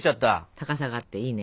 高さがあっていいね。